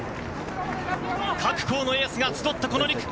各校のエースが集ったこの２区。